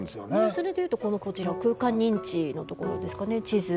それで言うとこのこちら空間認知のところですかね地図。